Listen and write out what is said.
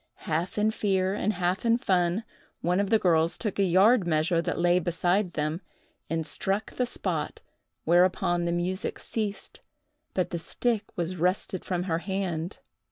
Half in fear and half in fun, one of the girls took a yard measure that lay beside them, and struck the spot, whereupon the music ceased, but the stick was wrested from her hand.